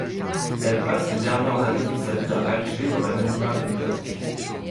Elle passe les dernières années de sa vie à Alger, dans l'anonymat complet.